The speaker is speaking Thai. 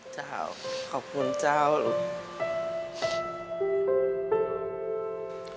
เจ้าขอบคุณเจ้าลูก